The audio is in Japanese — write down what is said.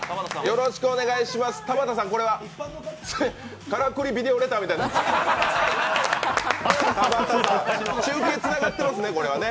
田畑さん、「からくりビデオレター」みたいになってますが、中継つながってますね、これは。